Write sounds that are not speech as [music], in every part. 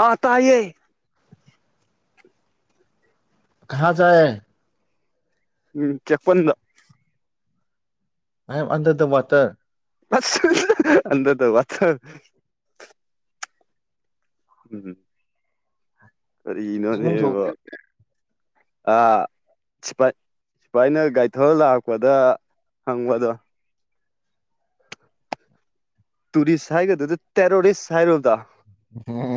[inaudible] ꯑꯥ ꯇꯥꯏꯌꯦ ꯀꯍꯥ ꯖꯥꯏ ꯎꯝ ꯆꯦꯄꯟꯗ I am under the water [unintelligible] under the water ꯎꯝ ꯆꯦꯡꯒꯨꯝ ꯁꯧꯗꯣꯏ ꯀꯔꯤꯅꯣꯅꯦꯕꯣ ꯑ [unintelligible] ꯁꯨꯑꯥꯏꯅ ꯒꯥꯏ ꯊꯧꯔ ꯂꯥꯛꯄꯗ ꯍꯪꯕꯗꯣ ꯇꯨꯔꯤꯁ ꯍꯥꯏꯒꯗꯨꯗꯤ ꯇꯦꯔꯣꯔꯤꯁ ꯍꯥꯏꯔꯨꯕꯗꯣ [unintelligible]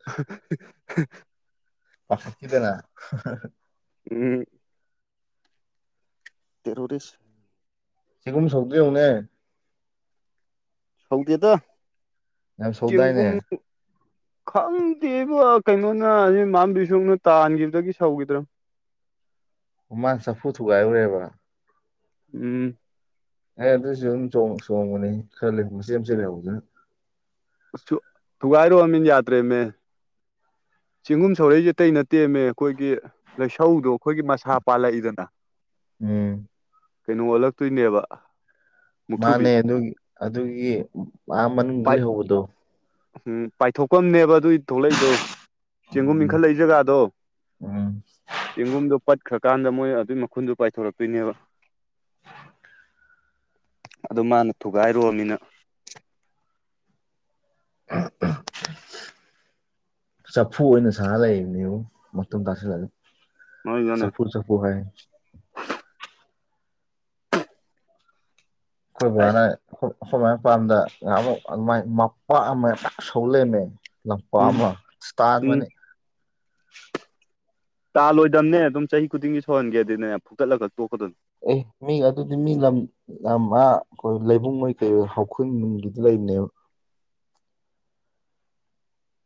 [unintelligible] ꯄꯥꯈꯠꯈꯤꯗꯅ ꯎꯝ ꯇꯦꯔꯣꯔꯤꯁ ꯆꯦꯡꯒꯨꯝ ꯁꯧꯗꯨ ꯌꯦꯡꯉꯨꯅꯦ ꯁꯧꯗꯤꯦꯗ ꯌꯥꯝ ꯁꯧꯗꯥꯏꯅꯦ ꯆꯦꯡꯒꯨꯝ ꯈꯪꯗꯦꯕꯣ ꯀꯩꯅꯣꯅ [unintelligible] ꯃꯥꯝ ꯕꯤ ꯁꯣꯛꯅ ꯇꯥꯟꯈꯤꯕꯗꯒꯤ ꯁꯧꯈꯤꯗ꯭ꯔꯝ ꯍꯨꯃꯥꯡ ꯆꯥꯐꯨ ꯊꯨꯒꯥꯏꯔꯨꯔꯦꯕ ꯎꯝ ꯑꯦ ꯑꯗꯨꯁꯨ ꯑꯗꯨꯝ ꯆꯣꯡꯕꯅꯤ ꯈꯔ ꯂꯩꯁ ꯌꯥꯝ ꯁꯤ ꯂꯩꯕ ꯊꯨꯒꯥꯏꯔꯣ ꯑꯃꯤꯟ ꯌꯥꯇ꯭ꯔꯦ ꯃ ꯆꯤꯡꯒꯨꯝ ꯁꯧꯔꯩꯁꯦ ꯇꯩꯅ ꯇꯦꯝꯃꯦ ꯑꯩꯈꯣꯏꯒꯤ ꯂꯩꯁꯧꯗꯣ ꯑꯩꯈꯣꯏꯒꯤ ꯃꯁꯥ ꯄꯥꯜꯂꯛꯏꯗꯅ ꯎꯝ ꯀꯩꯅꯣ ꯑꯣꯜꯂꯛꯇꯣꯏꯅꯦꯕ ꯃꯨꯛꯊ꯭ꯔꯨꯕꯤ ꯃꯥꯅꯦ ꯑꯗꯨꯒꯤ ꯑꯗꯨꯒꯤ ꯃꯥ ꯃꯅꯨꯡꯗ ꯂꯩꯍꯧꯕꯗꯣ ꯎꯝ ꯄꯥꯏꯊꯣꯛꯄꯅꯦꯕ ꯑꯗꯨꯏ ꯊꯣꯛꯂꯛꯏꯗꯣ ꯆꯦꯡꯒꯨꯝ ꯎꯝ ꯏꯈꯠꯂ ꯖꯒꯥꯗꯣ ꯎꯝ ꯆꯦꯡꯒꯨꯝꯗꯣꯠ ꯈ꯭ꯔꯀꯥꯟꯗ ꯃꯣꯏ ꯑꯗꯨꯏ ꯃꯈꯨꯟꯗꯨ ꯄꯥꯏꯊꯣꯔꯛꯇꯨꯏꯅꯦꯕ ꯑꯗꯨ ꯃꯥꯅ ꯊꯨꯒꯥꯏꯔꯨꯃꯤꯅ [unintelligible] ꯆꯐꯨ ꯑꯣꯏꯅ ꯁꯥ ꯂꯩꯕꯅꯦꯕꯨ ꯃꯇꯨꯝ ꯇꯥꯁꯤꯜꯂꯒ ꯃꯣꯏꯗꯨꯅ ꯆꯐꯨ ꯆꯐꯨ ꯍꯥꯏ ꯑꯩꯈꯣꯏ ꯑꯁ ꯕꯥꯅ ꯑꯩꯈꯣꯏ ꯃꯥꯏ ꯃꯄꯥꯝꯗ ꯅꯍꯥꯟꯃꯨꯛ ꯑꯃꯥꯏ ꯃꯄꯥꯛ ꯑꯃ ꯄ ꯁꯧ ꯂꯩꯝꯃꯦ ꯂꯝꯄꯥꯛ ꯎꯝ ꯑꯃ ꯎꯝ ꯁꯇꯥꯥꯥꯟꯕꯅꯤ ꯇꯥꯜꯂꯣꯏꯗꯝꯅꯦ ꯑꯗꯨꯝ ꯆꯍꯤ ꯈꯨꯗꯤꯡꯒꯤ ꯁꯧꯍꯟꯒꯦꯗꯤꯅꯦ ꯐꯨꯛꯇꯠꯂꯒ ꯇꯣꯛꯀꯗꯝꯅꯦ ꯑꯦ ꯃꯤ ꯑꯗꯨꯗꯤ ꯃꯤ ꯂꯝ ꯌꯥꯝ ꯑꯥ ꯑꯩꯈꯣꯏ ꯂꯩꯕꯨꯡꯑꯣꯏ ꯀꯩꯑꯣꯏ ꯍꯧꯈꯨꯟ ꯅꯨꯡꯒꯤꯗ ꯂꯩꯕꯅꯦꯕ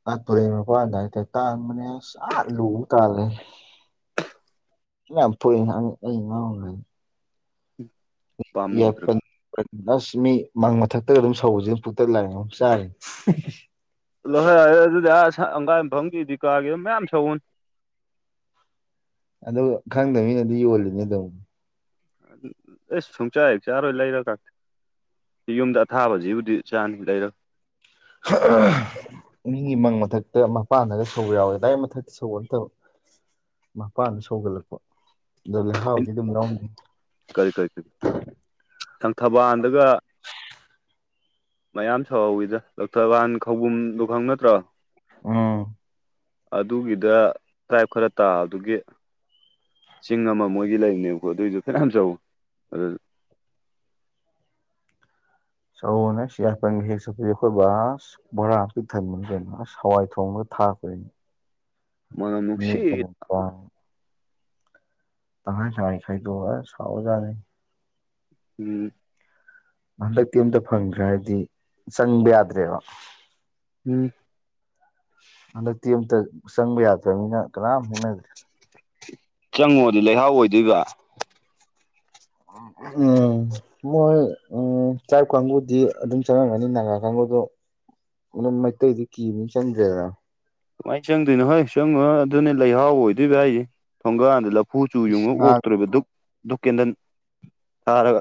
ꯑꯥ ꯇꯨꯔꯦꯟ ꯃꯄꯥꯟꯗ ꯍꯥꯏꯇꯥꯏ ꯇꯥꯟꯕꯅꯦ ꯑꯁ ꯑꯥ ꯂꯨꯕꯕꯨ ꯇꯥꯜꯂꯦ [unintelligible] ꯌꯥꯏ ꯄꯥꯝꯃꯨꯗ꯭ꯔꯒ ꯑꯁ ꯃꯤ ꯃꯪ ꯃꯊꯛꯇꯒ ꯑꯗꯨꯝ ꯁꯧꯕꯁꯤꯦ ꯄꯨꯛꯇ ꯂꯥꯏꯔꯤ ꯑꯗꯨ ꯆꯥꯔ ꯂꯣꯏꯍꯣꯏ ꯌꯥꯔꯦ ꯑꯗꯨꯗꯤ ꯑꯁ ꯍꯪꯒꯥꯥꯡ ꯌꯨꯝꯐꯝꯒꯤ ꯗꯤꯀꯥꯒꯤ ꯑꯗꯨꯝ ꯃꯌꯥꯝ ꯁꯧꯎꯅꯤ ꯑ ꯈꯪꯗꯕꯅꯤꯅꯗꯤ ꯌꯣꯜꯂꯤꯅꯤꯗꯧ ꯑꯦ ꯁꯨꯡꯆꯥꯏꯦꯛꯁꯦꯥꯔꯣꯏ ꯂꯩꯔꯒ ꯌꯨꯝꯗ ꯑꯊꯥꯕꯁꯤꯕꯨꯗꯤ ꯆꯥꯅꯤ ꯂꯩꯔꯣ [inaudible] ꯃꯤꯒꯤ ꯃꯪ ꯃꯊꯛꯇ ꯃꯄꯥꯟꯗꯒ ꯁꯧꯕ ꯌꯥꯎꯋꯦꯗꯥꯏ ꯃꯊꯛꯇ ꯁꯧꯕꯅ ꯇꯧ ꯃꯄꯥꯟꯗ ꯁꯧꯒꯠꯂꯛꯄ ꯑꯗꯣ ꯂꯩꯍꯥꯎꯗꯤ ꯑꯗꯨꯝ ꯌꯥꯎꯅꯤꯡꯉꯤ ꯀꯔꯤ ꯀꯔꯤ ꯀꯔꯤ ꯂꯪꯊꯕꯥꯜꯗꯒ ꯃꯌꯥꯝ ꯁꯧꯍꯧꯋꯤꯗ ꯂꯧꯣꯛꯊꯕꯥꯟ ꯈꯧꯕꯨꯝꯗꯨꯣ ꯈꯪ ꯅꯠꯇ꯭ꯔꯣ ꯎꯝ ꯑꯗꯨꯒꯤꯗ ꯇ꯭ꯔꯥꯏꯞ ꯈꯔ ꯇꯥꯕꯒꯤ ꯆꯤꯡ ꯑꯃ ꯃꯣꯏꯒꯤ ꯂꯩꯔꯤꯅꯦꯕꯀꯣ ꯑꯗꯨꯑꯣꯏꯁꯨ ꯐꯅꯌꯥꯝ ꯁꯧꯕꯅꯤ ꯑꯗꯨ ꯁꯅ ꯁꯤꯌꯥꯄꯟꯒ ꯍꯦꯛ ꯆꯠꯄ ꯑꯩꯈꯣꯏ ꯕꯥꯁ ꯕꯣꯔꯥ ꯊꯟꯕꯅ ꯀꯩꯅꯣ ꯑꯁ ꯍꯋꯥꯏ ꯊꯣꯡꯉꯒ ꯊꯥꯛꯈꯣꯏꯅꯤ ꯃꯅꯝ ꯅꯨꯡꯁꯤ [unintelligible] ꯇꯍꯥꯏ ꯆꯥꯏ ꯈꯥꯏꯗꯣꯑ ꯁꯥꯎꯖꯔ ꯎꯝ ꯍꯟꯗꯛꯇꯤ ꯑꯃꯝꯇ ꯐꯪꯈ꯭ꯔꯦ ꯍꯥꯏꯗꯤ ꯆꯪꯕ ꯌꯥꯗ꯭ꯔꯦꯕ ꯎꯝ ꯍꯟꯗꯛꯇꯤ ꯑꯃꯝꯇ ꯆꯪꯕ ꯌꯥꯗ꯭ꯔꯕꯅꯤꯅ ꯀꯅꯥꯝ ꯍꯦꯡꯅꯗ꯭ꯔꯦ ꯆꯪꯉꯣꯗꯤ ꯂꯩꯍꯥꯎ ꯑꯣꯏꯗꯣꯏꯕ ꯎꯝ ꯃꯣꯏ ꯎ ꯆꯥꯛ ꯀꯥꯡꯕꯨꯗꯤ ꯑꯗꯨꯝ ꯆꯪꯉꯝꯒꯅꯤ ꯅꯥꯒꯥ ꯀꯥꯡꯕꯨꯨꯗꯣ ꯑꯗꯨꯝ ꯃꯩꯇꯩꯗꯤ ꯀꯤꯕꯅꯤ ꯆꯪꯗ꯭ꯔꯦꯗꯅ ꯀꯨꯃꯥꯏꯅ ꯆꯪꯗꯣꯏꯅꯣ ꯍꯣꯏ ꯆꯪꯉꯨ ꯑꯗꯨꯅꯦ ꯂꯩꯍꯥꯎ ꯑꯣꯏꯗꯣꯏꯕ ꯍꯥꯏꯁꯦ ꯊꯣꯡꯒꯥꯥꯟꯗ ꯍꯨ ꯆꯨ ꯏꯁ ꯌꯨꯡꯉ ꯉꯥꯡ ꯑꯣꯛꯇꯣꯔꯤꯕ ꯗꯨꯛ ꯙꯗꯨꯛꯀꯦꯟꯗꯟ ꯊꯥꯔꯒ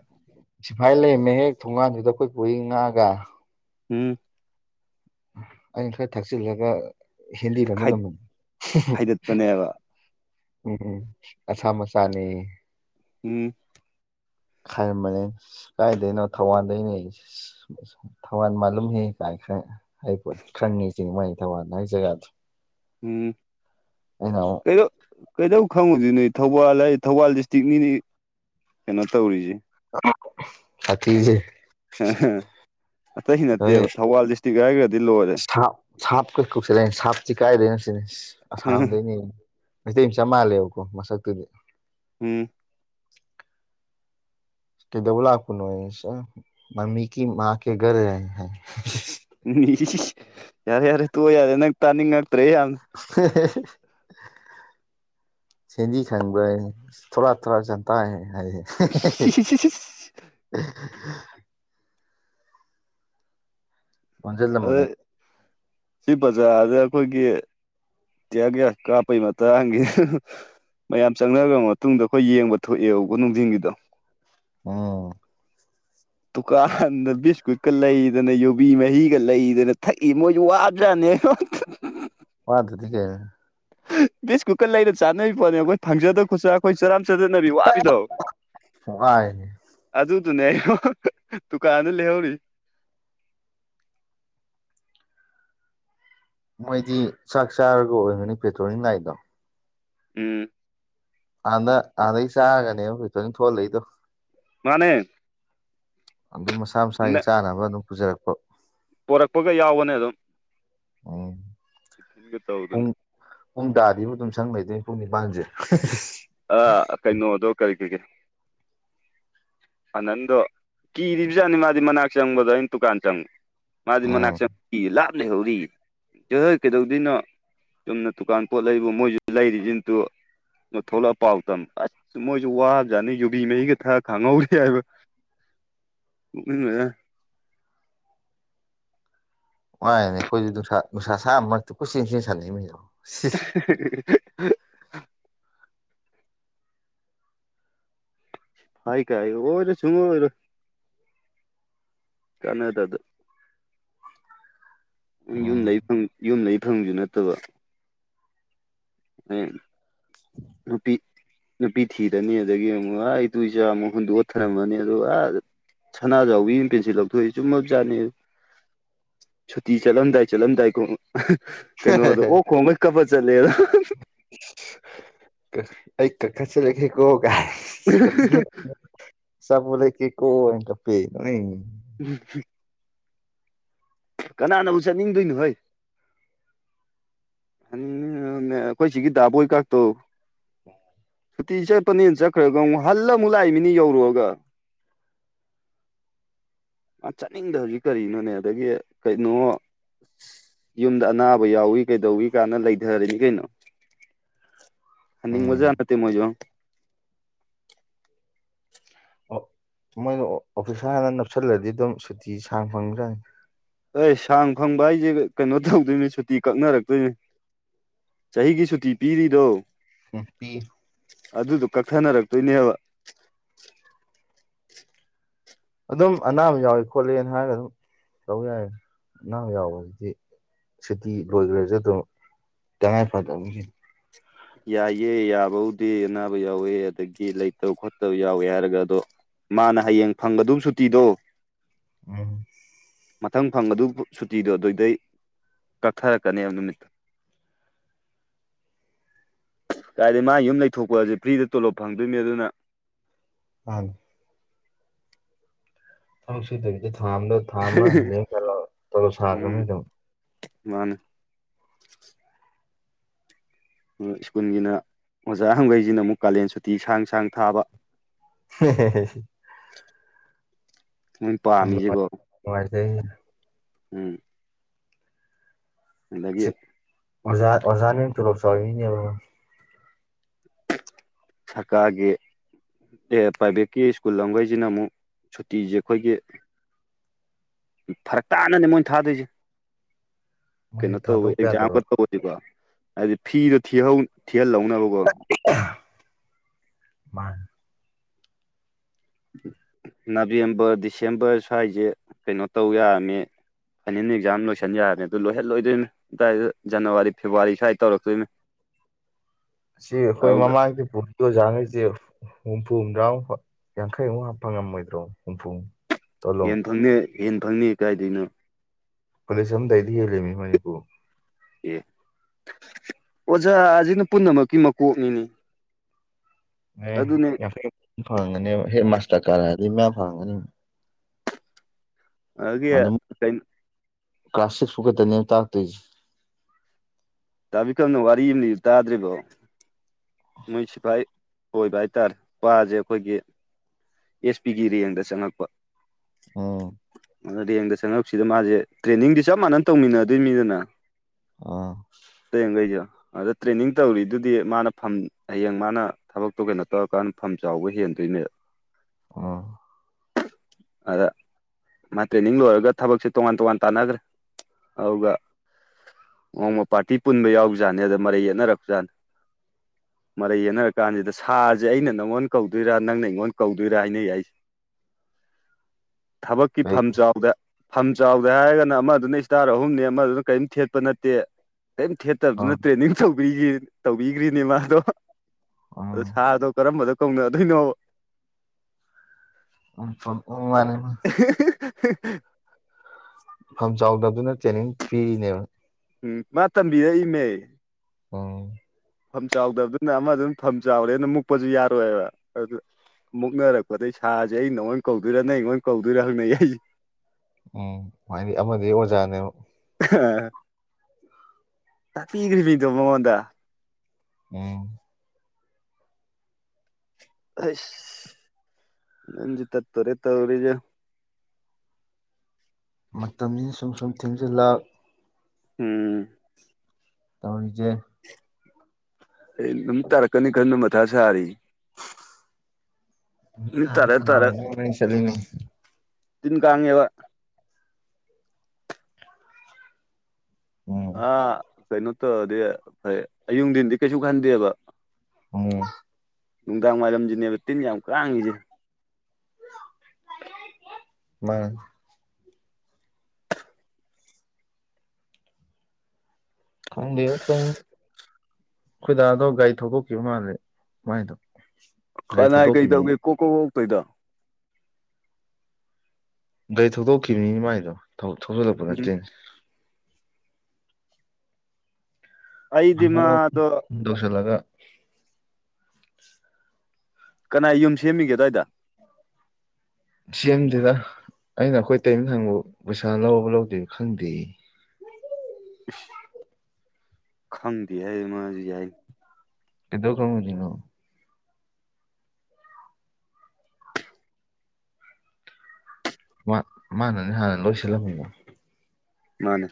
ꯁꯐꯥꯏ ꯂꯩꯔꯝꯃꯦ ꯍꯦꯛ ꯊꯣꯡꯒꯥꯟꯗꯨꯗ ꯑꯩꯈꯣꯏ ꯄꯨꯔꯤ ꯉꯥꯛꯑꯒ ꯎꯝ ꯑꯩꯅ ꯈꯔ ꯊꯛꯆꯤꯜꯂꯒ ꯈꯥꯏ ꯍꯦꯟꯗꯤꯕꯅꯂꯝꯃꯅꯤ ꯈꯥꯏꯗꯠꯄꯅꯦꯕ ꯎꯝ ꯎꯝ ꯑꯁꯥꯝ ꯃꯆꯥꯥꯅꯤ ꯎꯝ ꯈꯥꯏꯔꯝꯕꯅꯦ ꯀꯥꯏꯗꯩꯅꯣ ꯊꯧꯕꯥꯟꯗꯩꯅꯦꯌꯦ ꯊꯧꯕꯥꯟ ꯃꯥꯂꯨꯝ ꯍꯦ ꯀꯥꯏꯅ ꯈꯔ ꯍꯥꯢꯔꯤ ꯄꯣꯠꯅꯤ ꯈꯪꯉꯦꯁꯤꯅꯤ ꯃꯣꯢ ꯊꯧꯕꯥꯟ ꯍꯥꯢ ꯖꯒꯥꯗꯣ ꯎꯝ ꯑꯩꯅ ꯑꯃꯨꯛ ꯀꯩꯗꯣ ꯀꯩꯗꯧ ꯈꯪꯉꯣꯢꯗꯣꯢꯅꯣ ꯊꯧꯕꯥꯜ ꯍꯥꯢꯖꯦ ꯊꯧꯕꯥꯜ ꯗꯤꯁꯇ꯭ꯔꯤꯛꯅꯤꯅꯦ ꯀꯩꯅꯣ ꯇꯧꯔꯤꯖꯦ ꯁꯥꯊꯤꯖꯦ ꯑꯇꯩꯒꯤ ꯅꯠꯇꯦꯕ ꯊꯧꯕꯥꯜ ꯗꯤꯁꯇꯤꯛ ꯍꯥꯢꯒꯔꯗꯣ ꯂꯣꯢꯔꯦ ꯞ ꯁꯥꯞ ꯀꯩ ꯀꯣꯛꯁꯤꯂꯅꯤ ꯁꯥꯞꯁꯤꯤ ꯀꯥꯏꯗꯣꯏꯅ ꯁꯤꯅꯤ ꯑꯁꯥꯝꯗꯩꯅꯤ ꯃꯩꯇꯩ ꯑꯃ ꯆꯝꯞ ꯃꯥꯟꯜꯂꯦꯕꯀꯣ ꯃꯁꯛꯇꯨꯗꯤ ꯎꯝ ꯀ ꯗꯧꯂ ꯀꯅ ꯑꯦꯁꯦ ꯃꯝꯃꯤꯒꯤ ꯃꯥ ꯀꯦ ꯔ ꯔꯦ ꯍꯦ ꯎꯝ ꯌꯥꯔꯦ ꯌꯥꯔꯦ ꯇꯨ ꯌꯥꯔꯦ ꯅꯪ ꯇꯥꯅꯤꯡꯉꯛꯇ꯭ꯔꯦ ꯌꯥꯝ [unintelligible] ꯁꯦꯟꯗꯤ ꯈꯪꯕ ꯊꯣꯔꯥ ꯊꯣꯔꯥꯛ ꯆꯟꯇꯥꯥꯏ ꯍꯥꯏꯁꯦ [unintelligible] ꯑꯗꯨ ꯑꯣꯟꯖꯜꯂꯝꯕꯅꯦ ꯁꯤ ꯕ꯭ꯔꯖꯥꯔꯗ ꯑꯩꯈꯣꯏꯒꯤ ꯇꯌ꯭ꯥꯔ ꯒꯌ꯭ꯥꯁ ꯀꯥꯞꯄꯩ ꯃꯇꯥꯡꯒꯤ ꯃꯌꯥꯝ ꯆꯪꯅꯒ꯭ꯔ ꯃꯇꯨꯡꯗ ꯑꯩꯈꯣꯏ ꯌꯦꯡꯕ ꯊꯣꯛꯑꯦꯕꯀꯣ ꯅꯨꯡꯊꯤꯡꯒꯤꯗꯣ ꯑꯣ ꯗꯨꯀꯥꯟꯗ ꯕꯤꯁꯀꯨꯠꯀ ꯂꯩꯗꯅ ꯌꯨꯕꯤ ꯃꯍꯤꯒ ꯂꯩꯗꯅ ꯊꯛꯏ ꯃꯣꯏꯖꯨ ꯋꯥꯕ ꯖꯥꯠꯅꯦꯕ [inaudible] ꯋꯥꯗꯗꯤ ꯀꯩꯅꯣ ꯕꯤꯁꯀꯨꯠꯀ ꯂꯩꯔ ꯆꯥꯟꯅꯩ ꯄꯣꯠꯅꯦ ꯑꯩꯈꯣꯏ ꯐꯪꯖꯗꯕ ꯈꯨꯆꯥ ꯑꯩꯈꯣꯢ ꯆꯔꯥꯝ ꯆꯗꯠꯅꯕꯤ ꯋꯥꯕꯤꯗꯣ ꯋꯥꯏꯅꯦ ꯑꯗꯨꯗꯨꯅꯦ ꯗꯨꯀꯥꯟꯗ ꯂꯩꯍꯧꯔꯤ ꯃꯣꯏꯗꯤ ꯆꯥꯛ ꯆꯥꯔꯒ ꯑꯣꯏꯒꯅꯤ ꯄꯦꯇ꯭ꯔꯣꯂꯤꯡ ꯂꯥꯛꯢꯗꯣ ꯑꯝ ꯑꯥꯗ ꯑꯥꯗꯩ ꯆꯥꯔꯒꯅꯦꯕ ꯄꯦꯇ꯭ꯔꯣꯂꯤꯡ ꯊꯣꯛꯍꯜꯂꯛꯏꯗꯣ ꯃꯥꯅꯦ ꯑꯗꯨ ꯃꯁꯥ ꯃꯁꯥꯒꯤ ꯆꯥꯅꯕ ꯑꯗꯨꯝ ꯄꯨꯖꯔꯛꯄ ꯄꯣꯔꯛꯄꯒ ꯌꯥꯎꯕꯅꯦ ꯑꯗꯨꯝ ꯎꯝ ꯇꯤꯐꯤꯟꯒ ꯇꯧꯗꯅ ꯄꯨꯡ ꯄꯨꯡ ꯇꯥꯗꯤꯕꯨ ꯑꯗꯨꯝ ꯁꯪ ꯂꯩꯗꯣꯏꯅꯦ ꯄꯨꯡ ꯅꯤꯄꯥꯟꯖꯦ ꯑ ꯀꯩꯅꯣꯗꯣ ꯀꯔꯤ ꯀꯔꯤ ꯀꯔꯤ ꯑꯅꯟꯗꯣ ꯀꯤꯔꯤꯕꯖꯥꯠꯅꯦ ꯃꯥꯗꯤ ꯃꯅꯥꯛ ꯆꯪꯕꯗꯣ ꯑꯩꯅ ꯗꯨꯀꯥꯟ ꯆꯪꯕ ꯃꯥꯗꯤ ꯃꯅꯥꯛ ꯎꯝ ꯆꯪꯕ ꯀꯤ ꯂꯥꯞꯅ ꯂꯩꯍꯧꯔꯤꯌꯦ ꯆꯣꯍꯦ ꯀꯩꯗꯧꯗꯣꯏꯅꯣ ꯆꯨꯝꯅ ꯗꯨꯀꯥꯟ ꯄꯣꯠ ꯂꯩꯕꯨ ꯃꯣꯏꯖꯨ ꯂꯩꯔꯤꯁꯤꯅꯤ ꯇꯨ ꯊꯣꯛꯣꯂꯛꯑ ꯄꯥꯎ ꯇꯝ ꯑꯁ ꯃꯣꯏꯖꯨ ꯋꯥꯕ ꯖꯥꯠꯅꯤ ꯌꯨꯕꯤ ꯃꯍꯤꯒ ꯊꯛꯑ ꯈꯥꯡꯍꯧꯔꯤ ꯍꯥꯢꯕ ꯅꯣꯛꯅꯤꯡꯒꯔꯖꯥꯅꯦ ꯋꯥꯥꯏꯅꯦ ꯑꯩꯈꯣꯏꯁꯨ ꯅꯨꯡꯁꯥ ꯅꯨꯡꯁꯥ ꯁꯥꯕ ꯃꯔꯛꯇ ꯀꯣꯢ ꯆꯦꯟ ꯆꯦꯟ ꯁꯥꯟꯅꯩꯃꯤꯗꯣ [unintelligible] ꯍꯥꯏ ꯀꯥꯏ ꯑꯣꯢꯔꯣꯢ ꯁꯨꯡ ꯑꯣꯏ ꯑꯣꯢꯔꯣꯢ ꯀꯥꯟꯅꯥꯗꯕꯗ ꯌꯨꯝ ꯎꯝ ꯂꯩ ꯐꯪ ꯌꯨꯝ ꯂꯩ ꯐꯪꯕꯖꯨ ꯅꯠꯇꯕ [inaudible] ꯔꯨꯄꯤ ꯅꯨꯄꯤ ꯊꯤꯔꯅꯤ ꯑꯗꯒꯤ ꯑꯃꯨꯛ ꯑꯥ ꯏꯇꯨ ꯏꯆꯥ ꯑꯃꯨꯛ ꯍꯨꯟꯗꯣꯛꯑ ꯊꯃꯝꯃꯅꯤ ꯑꯗꯨꯒ ꯑꯥ ꯁꯅꯥꯖꯥꯎꯕꯤ ꯄꯦꯟꯁꯤꯜ ꯂꯧꯊꯣꯛꯏꯖꯦ ꯆꯨꯝꯃꯖꯥꯠꯅꯤ ꯁꯨꯇꯤ ꯆꯠꯂꯝꯗꯥꯏ ꯆꯠꯂꯝꯗꯥꯏ ꯈꯣꯡ ꯀꯩꯅꯣꯗꯣ ꯑꯣ ꯈꯣꯡꯒꯩ ꯀꯞꯄ ꯆꯠꯂꯦꯗꯣ ꯑꯩ ꯀꯥ ꯀꯥ ꯆꯠꯂꯒꯦꯀꯣ ꯐꯖꯗꯔꯦ ꯑꯆꯥꯄꯣꯠ ꯂꯩꯀꯦꯀꯣꯅ ꯀꯞꯄꯦ ꯅꯣꯛꯅꯤꯡꯉꯦ ꯎꯝ ꯀꯅꯥꯅꯕꯨ ꯆꯠꯅꯤꯡꯗꯣꯏꯅꯣ ꯍꯩ ꯑꯩꯈꯣꯏ ꯁꯤꯒꯤ ꯗꯥꯕꯣꯏ ꯀꯥꯥꯛꯇꯣ ꯁꯨꯇꯤ ꯆꯠꯄꯅꯦꯅ ꯆꯠꯈ꯭ꯔꯒ ꯑꯃꯨꯛ ꯍꯜꯂ ꯑꯃꯨꯛ ꯂꯥꯛꯏ ꯃꯤꯅꯤ ꯌꯧꯔꯨꯔꯒ [inaudible] ꯃꯥ ꯆꯠꯅꯤꯡꯗꯕꯖꯤ ꯀꯔꯤꯅꯣꯅꯦ ꯑꯗꯒꯤ ꯀꯩꯅꯣ ꯌꯨꯝꯗ ꯑꯅꯥꯕ ꯌꯥꯎꯋꯤ ꯀꯩꯗꯧꯋꯤ ꯀꯥꯟꯅ ꯂꯩꯊꯔꯔꯅꯤ ꯀꯩꯅꯣ ꯎꯝ ꯍꯟꯅꯤꯡꯕꯖꯥꯠ ꯅꯠꯇꯦ ꯃꯣꯏꯖꯨ ꯑꯣ ꯃꯣꯏꯗꯣ ꯑꯣꯐꯤꯁꯗ ꯅꯞꯁꯜꯂꯗꯤ ꯑꯗꯨꯝ ꯁꯨꯇꯤ ꯁꯥꯡ ꯐꯪꯕꯖꯥꯠꯅꯤ ꯑꯩ ꯁꯥꯡ ꯐꯪꯕ ꯍꯥꯏꯖꯦ ꯀꯩꯅꯣ ꯇꯧꯗꯣꯏꯅꯤ ꯁꯨꯇꯤ ꯀꯛꯅꯔꯛꯇꯣꯏꯅꯤ ꯆꯍꯤꯒꯤ ꯁꯨꯇꯤ ꯄꯤꯔꯤꯗꯣ [unintelligible] ꯑꯗꯨꯗꯣ ꯀꯛꯊꯅꯔꯛꯇꯣꯏꯅꯦꯕ ꯑꯗꯨꯝ ꯑꯅꯥꯕ ꯌꯥꯎꯏ ꯈꯣꯠꯂꯤꯅ ꯍꯥꯏꯔꯒ ꯑꯗꯨꯝ ꯇꯧꯕ ꯌꯥꯏ ꯑꯅꯥꯕ ꯌꯥꯎꯕꯁꯤꯗꯤ ꯁꯨꯇꯤ ꯂꯣꯏꯈ꯭ꯔꯁꯨ ꯑꯗꯨꯝ ꯇꯉꯥꯏ ꯐꯗꯕ ꯌꯥꯏꯑꯦ ꯌꯥꯕꯕꯨꯗꯤ ꯑꯅꯥꯕ ꯌꯥꯎꯋꯦ ꯑꯗꯒꯤ ꯂꯩꯇꯕ ꯈꯣꯠꯇꯕ ꯌꯥꯎꯋꯦ ꯍꯥꯏꯔꯒ ꯑꯗꯣ ꯃꯥꯅ ꯍꯌꯦꯡ ꯐꯪꯒꯗꯧ ꯁꯨꯇꯤꯗꯣ ꯎꯝ ꯃꯊꯪ ꯐꯪꯒꯗꯧ ꯁꯨꯇꯤꯗꯣ ꯑꯗꯨꯏꯗꯩ ꯀꯛꯊꯔꯛꯀꯅꯦꯕ ꯅꯨꯃꯤꯠꯇꯣ ꯀꯥꯏꯗꯩ ꯃꯥ ꯌꯨꯝ ꯂꯩꯊꯣꯛꯄꯁꯦ ꯐ꯭ꯔꯤꯗ ꯇꯣꯂꯣꯞ ꯐꯪꯗꯣꯏꯅꯤ ꯑꯗꯨꯅ ꯑꯥ ꯊꯕꯛ ꯁꯨꯗꯕꯤꯗ ꯊꯥ ꯑꯃꯗ ꯊꯥ ꯑꯃ ꯍꯥꯜꯂꯦ ꯈꯜꯂꯣ ꯇꯣꯂꯣꯞ ꯎꯝ ꯁꯥꯒ꯭ꯔꯝꯅꯤ ꯑꯗꯨꯝ ꯃꯥꯅꯦ ꯁ꯭ꯀꯨꯜꯒꯤꯅ ꯑꯣꯖꯥ ꯒꯩꯁꯤꯅ ꯑꯃꯨꯛ ꯀꯥꯂꯦꯟ ꯁꯨꯇꯤ ꯁꯥꯡ ꯁꯥꯡ ꯊꯥꯕ ꯍꯦ ꯍꯦ ꯍꯦ ꯃꯣꯏ ꯌꯥꯝ ꯄꯥꯝꯃꯤꯁꯤꯀꯣ ꯅꯨꯡꯉꯥꯏꯖꯩ ꯎꯝ ꯑꯗꯒꯤ ꯑꯣꯖꯥ ꯑꯣꯖꯥꯅ ꯍꯦꯟꯅ ꯇꯣꯂꯣꯞ ꯆꯥꯎꯔꯤꯅꯤꯅꯦꯕꯣ ꯁꯔꯀꯥꯔꯒꯤ ꯑꯦ ꯄ꯭ꯔꯥꯏꯚꯦꯠꯀꯤ ꯁ꯭ꯀꯨꯜ ꯈꯩꯁꯤꯅ ꯑꯃꯨꯛ ꯁꯨꯇꯤꯁꯦ ꯑꯩꯈꯣꯏꯒꯤ ꯐꯔꯛ ꯇꯥꯅꯅꯦ ꯃꯣꯏꯅ ꯊꯥꯗꯣꯏꯁꯦ ꯃꯣꯏꯗꯤ ꯀꯩꯅꯣ ꯇꯧꯋꯦ ꯊꯥꯗꯣꯛꯄ ꯑꯦꯛꯖꯥꯝꯒ ꯌꯥꯗꯕ ꯇꯧꯋꯦ ꯀꯣ ꯍꯥꯏꯗꯤ ꯐꯤꯗꯣ ꯊꯤꯍꯧ ꯊꯤꯍꯜꯍꯧꯅꯕꯀꯣ ꯃꯥꯅꯦ ꯅꯕꯦꯝꯕꯔ ꯗꯤꯁꯦꯝꯕꯔ ꯁ꯭ꯋꯥꯏꯁꯦ ꯀꯩꯅꯣ ꯇꯧ ꯌꯥꯔꯝꯃꯤ ꯐꯥꯏꯅꯜ ꯑꯦꯛꯖꯥꯝ ꯂꯣꯏꯁꯤꯟ ꯌꯥꯔꯅꯤ ꯑꯗꯨ ꯂꯣꯏꯍꯜꯂꯣꯏꯗꯣꯏꯅꯤ ꯑꯗꯨꯋꯥꯏꯗ ꯖꯅꯋꯥ ꯐꯦꯕꯋꯥꯔꯤ ꯁ꯭ꯋꯥꯏꯗ ꯇꯧꯔꯛꯇꯣꯏꯅꯤ ꯁꯤ ꯑꯩꯈꯣꯏ ꯑꯗꯨꯒ ꯃꯃꯥꯡꯗꯤ ꯄꯨꯠ ꯑꯣꯖꯥ ꯈꯩꯁꯤ ꯍꯨꯝꯐꯨ ꯍꯨꯝꯗ꯭ꯔꯥ ꯃꯨꯛ ꯌꯥꯡꯈꯩꯃꯨꯛ ꯐꯪꯉꯝꯃꯣꯏꯗ꯭ꯔꯣ ꯍꯨꯝꯐꯨ ꯇꯣꯂꯣꯞ ꯌꯦꯟꯅ ꯐꯪꯅꯤꯌꯦ ꯌꯦꯟꯅ ꯐꯪꯅꯤꯌꯦ ꯀꯥꯏꯗꯩꯅꯣ ꯄꯨꯂꯤꯁ ꯑꯃꯗꯩꯗꯤ ꯍꯦꯜꯂꯤꯃꯤꯅꯤ ꯃꯅꯤꯕꯨ ꯑꯦ ꯑꯣꯖꯥꯖꯤꯅ ꯄꯨꯝꯅꯃꯛꯀꯤ ꯃꯀꯣꯛꯅꯤꯅꯦ ꯑꯦ ꯑꯗꯨꯅꯦ ꯌꯥꯩ ꯐꯪꯒ [inaudible] ꯅꯦꯕ ꯍꯦ ꯃꯥꯁꯇꯔ ꯀꯥꯔꯛꯑꯗꯤ ꯍꯥꯏꯗꯤ ꯃꯌꯥꯝ ꯐꯪꯉꯝꯒꯅꯤ ꯑꯗꯒꯤ ꯑꯗꯨꯝ ꯀꯩ ꯀ꯭ꯂꯥꯁ ꯁꯤꯛꯁ ꯐꯧ ꯈꯛꯇꯅꯦ ꯇꯥꯛꯇꯣꯏꯁꯦ ꯗꯥ ꯕꯤꯀ꯭ꯔꯝꯅ ꯋꯥꯔꯤ ꯑꯃ ꯂꯤꯕꯗꯨ ꯇꯥꯗ꯭ꯔꯤꯕꯣ ꯃꯣꯏ ꯁꯤꯐꯥꯏ ꯑꯣꯏꯕ ꯍꯥꯏꯇꯥꯔꯦ ꯃꯁꯦ ꯑꯩꯈꯣꯏꯒꯤ ꯑꯦꯁ ꯄꯤꯒꯤ ꯔꯦꯡꯗ ꯆꯪꯉꯛꯄ ꯑꯣ ꯔꯦꯡꯗ ꯆꯪꯉꯛꯄꯁꯤꯗ ꯃꯥꯁꯦ ꯇ꯭ꯔꯦꯟꯅꯤꯡꯗꯤ ꯆꯞ ꯃꯥꯟꯅ ꯇꯧꯃꯤꯟꯅꯗꯣꯏꯅꯤꯗꯅ ꯑꯥ ꯇꯦꯡꯈꯩꯁꯨ ꯑꯗ ꯇ꯭ꯔꯦꯟꯅꯤꯡ ꯇꯧꯔꯤꯗꯨꯗꯤ ꯃꯥꯅ ꯐ ꯍꯌꯦꯡ ꯃꯥꯅ ꯊꯕꯛꯇꯣ ꯀꯩꯅꯣ ꯇꯧꯔꯀꯥꯟꯗ ꯐꯝ ꯆꯥꯎꯕ ꯍꯦꯟꯗꯣꯏꯅꯦꯕ ꯑꯣ ꯑꯗ ꯃꯥ ꯇ꯭ꯔꯦꯅꯤꯡ ꯂꯣꯏꯔꯒ ꯊꯕꯛꯁꯦ ꯇꯣꯉꯥꯟ ꯇꯣꯉꯥꯟ ꯇꯥꯟꯅꯈ꯭ꯔꯦ ꯑꯗꯨꯒ ꯅꯣꯡꯃ ꯄꯥꯔꯇꯤ ꯄꯨꯟꯕ ꯌꯥꯎꯖꯥꯠ ꯑꯗ ꯃꯔꯩ ꯌꯦꯠꯅꯛꯄꯖꯥꯠꯅꯤ ꯃꯔꯩ ꯌꯦꯟꯅꯔ ꯀꯥꯟꯁꯤꯗ ꯁꯥꯁꯦ ꯑꯩꯅ ꯅꯪꯉꯣꯟꯗ ꯀꯧꯗꯣꯏꯔꯥ ꯅꯪꯅ ꯑꯩꯉꯣꯟꯗ ꯀꯧꯗꯣꯏꯔꯥ ꯍꯥꯏꯅꯩꯏꯁꯦ [inaudible] ꯊꯕꯛꯀꯤ ꯀꯩ ꯐꯝꯖꯥꯎꯗ ꯐꯝ ꯆꯥꯎꯗꯦ ꯍꯥꯏꯔꯒꯅ ꯑꯃꯗꯨꯅ ꯏꯁꯇꯥꯔ ꯑꯍꯨꯝꯅꯤ ꯑꯃꯗꯨꯅ ꯀꯔꯤꯝ ꯊꯦꯠꯄ ꯅꯠꯇꯦ ꯀꯔꯤꯝ ꯊꯦꯠ ꯐꯠꯇꯕ ꯑꯥ ꯅꯠꯇꯦ ꯇꯧꯕꯤꯈ꯭ꯔꯤꯅꯦ ꯃꯥꯗꯣ ꯑꯗꯣ ꯑꯥ ꯁꯥꯔ ꯗꯣ ꯀꯔꯝꯕꯗ ꯀꯧꯅꯗꯣꯏꯅꯣ ꯃꯥꯅꯦ [unintelligible] ꯐꯝ ꯆꯥꯎꯗꯕꯗꯨꯅ ꯇ꯭ꯔꯦꯅꯤꯡ ꯄꯤꯔꯤꯅꯦꯕ ꯎꯝ ꯃꯥ ꯇꯝꯕꯤꯔꯛ ꯏꯃꯦ ꯑꯣ ꯐꯝ ꯆꯥꯎꯗꯕꯗꯨꯅ ꯑꯃꯗꯨꯅ ꯐꯝ ꯆꯥꯎꯔꯦꯅ ꯃꯨꯛꯄꯁꯨ ꯌꯥꯔꯣꯏꯕ ꯑꯗꯨ ꯃꯨꯛꯅꯔꯛꯄꯗꯩ ꯁꯥꯁꯦ ꯑꯩ ꯅꯉꯣꯏ ꯀꯧꯗꯣꯏꯔꯥ ꯅ ꯅꯣꯏ ꯀꯧꯗꯣꯏꯔꯥ ꯍꯪꯅꯩ ꯑꯩꯁꯦ ꯎꯝꯗꯤ ꯑꯃꯗꯤ ꯑꯣꯖꯥꯅꯦ ꯉꯄꯤꯈ꯭ꯔꯤꯕꯃꯤꯗꯣ ꯃꯉꯣꯟꯗ ꯎꯝ ꯑꯁ ꯅꯟꯖ ꯇ ꯇꯔꯦ ꯇꯧꯔꯤꯒ ꯃꯇꯝꯅꯤꯅ ꯁꯨꯝ ꯁꯨꯝ ꯊꯦꯡꯖꯤꯜꯂ ꯎꯝ ꯇꯧꯔꯖꯦ ꯑꯩ ꯑꯗꯨꯝ ꯇꯥꯔꯛꯀꯅꯤ ꯈꯟꯕ ꯃꯊꯥ ꯁꯥꯔꯤ ꯅꯨꯃꯤꯠ ꯇꯥꯔ ꯇꯥꯔ ꯁ ꯂꯩꯅꯤ ꯇꯤꯟ ꯀꯥꯡꯥꯉꯕ ꯎꯝ ꯑꯥ ꯀꯩꯅꯣ ꯇꯧꯔꯗꯤ ꯐꯩ ꯑꯌꯨꯗꯤꯤꯟꯗꯤ ꯀꯩꯁꯨ ꯈꯟꯗꯦꯕ ꯑ ꯅꯨꯡꯗꯥꯡ ꯋꯥꯏꯔꯝꯁꯤꯅꯦꯕ ꯇꯤꯟ ꯌꯥꯝ ꯀꯥꯡꯉꯤꯁꯦ ꯃꯥ ꯈꯪꯗꯦ ꯑꯩꯈꯣꯏꯗꯥꯗꯣ ꯒꯥꯔꯤ ꯊꯧꯗꯣꯛꯈꯤꯕ ꯃꯥꯜꯂꯦ ꯃꯥꯏꯗꯣ ꯒꯥꯔꯤ ꯈꯅꯥꯏ ꯊꯧꯗꯣꯛꯈꯤꯕꯅꯤ ꯀꯩꯗꯧꯒꯦ ꯀꯣꯛ ꯀꯣꯛ ꯀꯣꯛꯇꯣꯏꯗꯣ ꯒꯥꯔꯤ ꯊꯧꯗꯣꯛꯈꯤꯕꯅꯤ ꯃꯥꯏꯗꯣ ꯊꯧꯤꯜꯂꯛꯄ ꯎꯝ ꯅꯠꯇꯦꯅꯦ ꯑꯩꯗꯤ ꯃꯥꯗꯣ ꯍꯗꯣꯁꯂꯒ ꯀꯅꯥ ꯌꯨꯝ ꯁꯦꯝꯃꯤꯒꯦ ꯑꯗꯨꯋꯥꯏꯗ ꯁꯦꯝ ꯑꯦꯝꯗꯨꯗ ꯑꯩꯅ ꯑꯩꯈꯣꯏ ꯇꯩꯝ ꯊꯪꯕ ꯄꯩꯁꯥ ꯂꯧꯕ ꯂꯧꯗꯦ ꯈꯪꯗꯦ ꯎ ꯈꯪꯗꯦ ꯍꯥꯏ ꯃꯥꯁꯨ ꯌꯥꯏ ꯀꯗꯣ ꯀꯪꯅꯤꯅꯣ ꯃꯥꯅꯅꯦ ꯍꯥꯟꯅ ꯂꯣꯏꯁꯤꯜꯂꯝꯃꯤꯅꯤꯗ ꯃꯥꯅꯦ